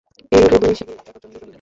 এইরূপে দুই শিবির একত্র মিলিত হইল।